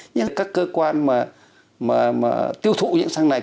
nhưng các cơ quan mà tiêu thụ những xăng này